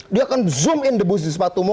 dia akan zoom in debu di sepatumu